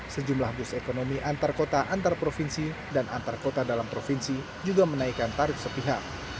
sejumlah bus ekonomi antar kota antar provinsi dan antar kota dalam provinsi juga menaikkan tarif sepihak